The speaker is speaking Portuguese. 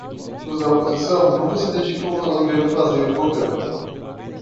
Os da oposição nunca se dedicam a lamber o traseiro do governo.